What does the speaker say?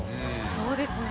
そうですね。